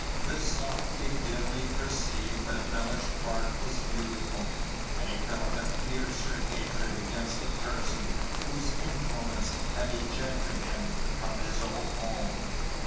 The softy dimly perceived that Mellish Park was beautiful, and he felt a fiercer hatred against the person whose influence had ejected him from his old home.